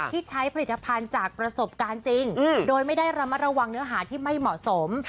ที่ใช้ผลิตภัณฑ์จากประสบการณ์จริงโดยไม่ได้ระมัดระวังเนื้อหาที่ไม่เหมาะสม